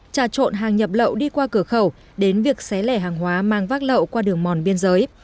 trà trộn hàng nhập lậu đi qua cửa khẩu đến việc xé lẻ hàng hóa mang vác lậu qua đường mòn biên giới